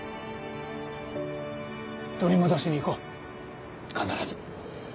取り戻しに行こう必ず。